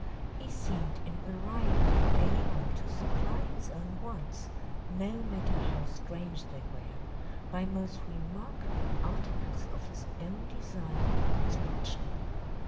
He seemed invariably able to supply his own wants, no matter how strange they were, by most remarkable articles of his own design and construction.